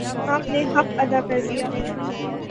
آپ نے حق ادا کر دیا